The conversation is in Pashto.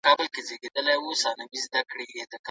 دغه نظریات د پوهانو لخوا څیړل سوي دي.